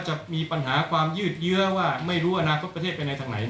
จะมีปัญหาความยืดเยื้อว่าไม่รู้อนาคตประเทศไปในทางไหน